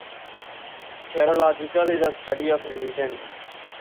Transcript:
Theology is a study of religion.